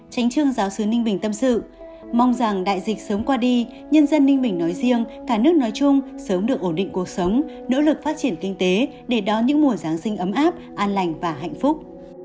tránh trường giáo sứ ninh bình tâm sự mong rằng đại dịch sớm qua đi nhân dân ninh bình nói riêng cả nước nói chung sớm được ổn định cuộc sống nỗ lực phát triển kinh tế để đón những mùa giáng sinh ấm áp an lành và hạnh phúc